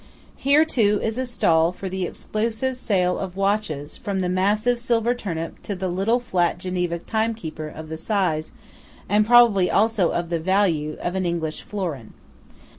Here, too, is a stall for the exclusive sale of watches, from the massive silver turnip to the flat little Geneva time keeper of the size, and probably also of the value, of an English florin.